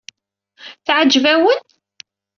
Teɛǧeb-awen?